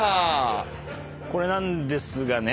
これなんですがね。